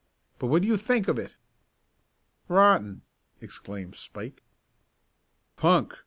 But what do you think of it?" "Rotten!" exclaimed Spike. "Punk!"